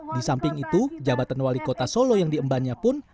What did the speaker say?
di samping itu jabatan wali kota solo yang diembannya pun